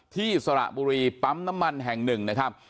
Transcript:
สระบุรีปั๊มน้ำมันแห่งหนึ่งนะครับ